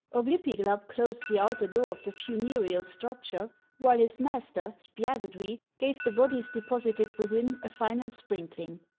Oglypiglap closed the outer door of the funereal structure, while his master, Spiagudry, gave the hodies deposited within a final sprinkling.